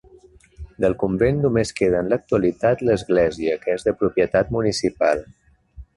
Del convent només queda en l'actualitat l'església que és de propietat municipal.